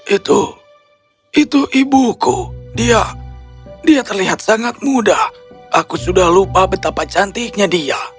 itu itu ibuku dia dia terlihat sangat muda aku sudah lupa betapa cantiknya dia